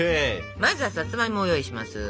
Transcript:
まずはさつまいもを用意します。